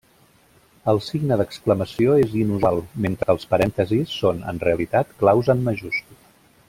El signe d'exclamació és inusual, mentre que els parèntesis són, en realitat, claus en majúscula.